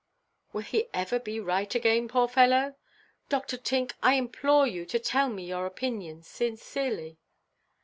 "Will he ever be right again, poor fellow? Dr. Tink, I implore you to tell me your opinion sincerely."